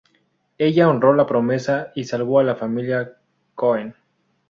Ella honró la promesa y salvó a la familia Cohen.